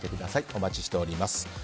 お待ちしております。